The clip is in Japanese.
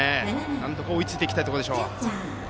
なんとか追いついていきたいところでしょう。